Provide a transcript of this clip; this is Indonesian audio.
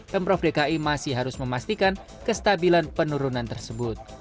pemprov dki masih harus memastikan kestabilan penurunan tersebut